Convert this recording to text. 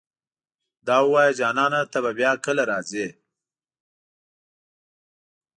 دا اووايه جانانه ته به بيا کله راځې